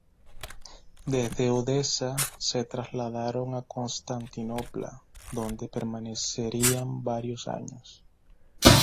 Desde Odesa, se trasladaron a Constantinopla, donde permanecerían varios años.